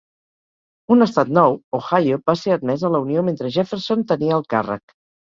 Un estat nou, Ohio, va ser admès a la Unió mentre Jefferson tenia el càrrec.